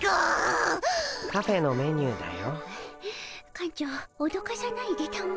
館長おどかさないでたも。